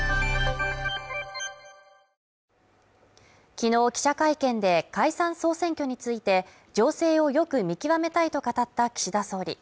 昨日記者会見で、解散総選挙について情勢をよく見極めたいと語った岸田総理。